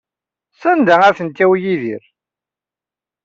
Sanda ara ten-yawi Yidir?